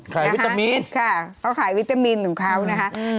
ขายวิตามินอย่างนี้นะคะก็ขายวิตามินของเขานะคะ